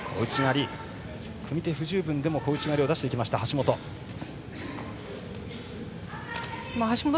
組み手不十分でも小内刈りを出しました、橋本。